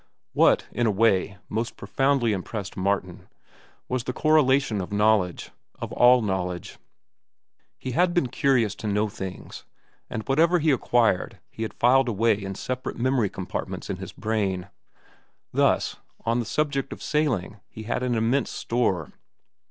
What, in a way, most profoundly impressed Martin, was the correlation of knowledge—of all knowledge. He had been curious to know things, and whatever he acquired he had filed away in separate memory compartments in his brain. Thus, on the subject of sailing he had an immense store.